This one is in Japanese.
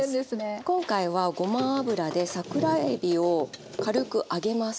今回はごま油で桜えびを軽く揚げます。